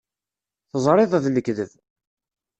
Teẓriḍ d lekdeb.